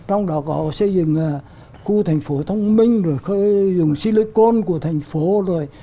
trong đó có xây dựng khu thành phố thông minh rồi dùng silicon của thành phố rồi